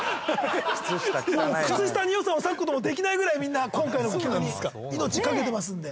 もう靴下に予算を割くこともできないぐらいみんな今回の企画に命懸けてますんで。